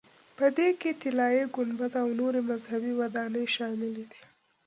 په دې کې طلایي ګنبده او نورې مذهبي ودانۍ شاملې دي.